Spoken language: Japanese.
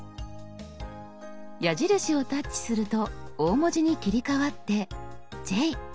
矢印をタッチすると大文字に切り替わって「Ｊ」。